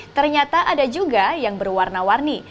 ternyata ada juga yang berwarna warni